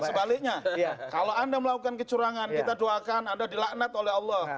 sebaliknya kalau anda melakukan kecurangan kita doakan anda dilaknat oleh allah